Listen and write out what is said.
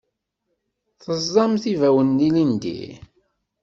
Teẓẓamt ibawen ilindi?